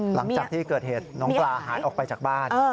หลังจากที่เกิดเหตุน้องปลาหายออกไปจากบ้าน